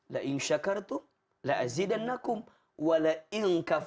jika kalian bersyukur